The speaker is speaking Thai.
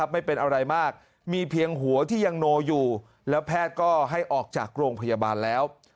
ไม่เป็นอะไรมากมีเพียงหัวที่ยังโนอยู่แล้วแพทย์ก็ให้ออกจากโรงพยาบาลแล้ว